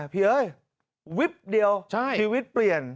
พี่เอ๋ยวิปเดียวพี่วิปเปลี่ยน